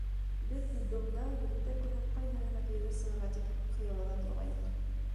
Беҙ детдомда егеттәр күрһәк, ҡайһыһына кейәүгә сығыр инем тип хыяллана торғайныҡ.